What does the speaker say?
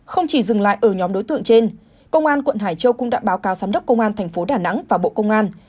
không chỉ dừng lại ở nhóm đối tượng trên công an quận hải châu cũng đã báo cáo giám đốc công an tp đà nẵng và bộ công an